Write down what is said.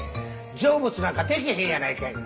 成仏なんかできへんやないかい。